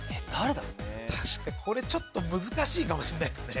確かにこれちょっと難しいかもしんないっすね。